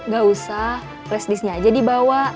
gak usah flash disknya aja dibawa